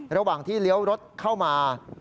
ระหว่างที่เลี้ยวรถเข้ามา